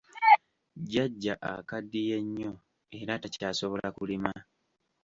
Jjajja akaddiye nnyo era takyasobola kulima.